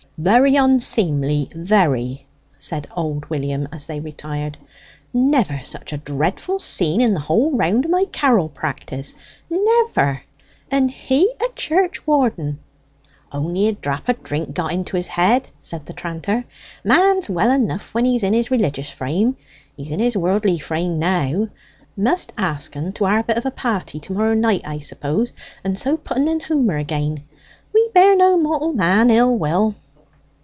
"Very onseemly very!" said old William, as they retired. "Never such a dreadful scene in the whole round o' my carrel practice never! And he a churchwarden!" "Only a drap o' drink got into his head," said the tranter. "Man's well enough when he's in his religious frame. He's in his worldly frame now. Must ask en to our bit of a party to morrow night, I suppose, and so put en in humour again. We bear no mortal man ill will."